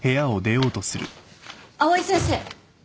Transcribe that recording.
藍井先生。